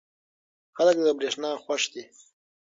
خلک له برېښنا خوښ دي.